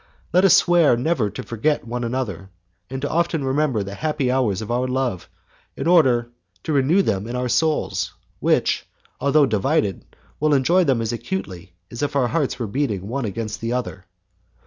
Let us swear never to forget one another, and to often remember the happy hours of our love, in order to renew them in our souls, which, although divided, will enjoy them as acutely as if our hearts were beating one against the other.